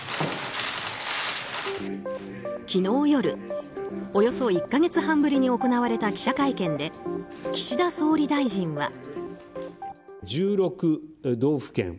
昨日夜およそ１か月半ぶりに行われた記者会見で岸田総理大臣は。